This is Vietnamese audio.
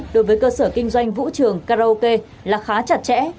đối với cơ sở kinh doanh vũ trường karaoke là khá chặt chẽ